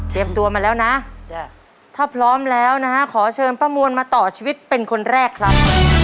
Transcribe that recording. ตัวมาแล้วนะถ้าพร้อมแล้วนะฮะขอเชิญป้ามวลมาต่อชีวิตเป็นคนแรกครับ